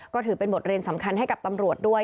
ก็ถือเป็นบทเรียนสำคัญให้กับตำรวจด้วย